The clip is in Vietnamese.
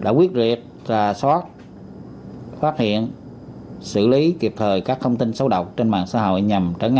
đã quyết rệt rà soát phát hiện xử lý kịp thời các thông tin xấu độc trên mạng xã hội nhằm trở ngang